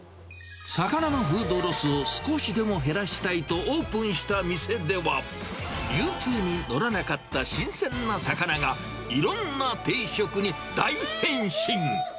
魚のフードロスを少しでも減らしたいとオープンした店では、流通に乗らなかった新鮮な魚がいろんな定食に大変身。